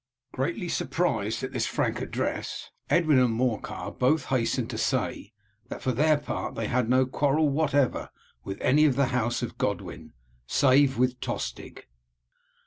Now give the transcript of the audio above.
Greatly surprised at this frank address, Edwin and Morcar both hastened to say that for their part they had no quarrel whatever with any of the house of Godwin, save with Tostig.